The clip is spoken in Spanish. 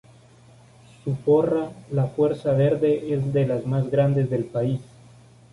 Su porra, La Fuerza Verde es de las más grades del país.